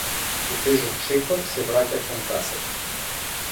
Со тежок чекор се враќа кон касата.